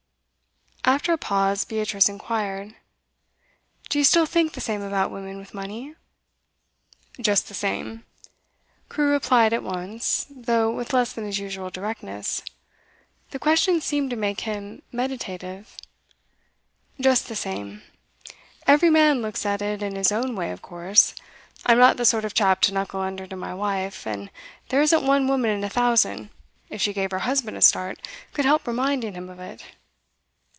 After a pause, Beatrice inquired: 'Do you still think the same about women with money?' 'Just the same,' Crewe replied at once, though with less than his usual directness; the question seemed to make him meditative. 'Just the same. Every man looks at it in his own way, of course. I'm not the sort of chap to knuckle under to my wife; and there isn't one woman in a thousand, if she gave her husband a start, could help reminding him of it.